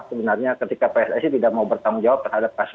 sebenarnya ketika pssi tidak mau bertanggung jawab terhadap kasus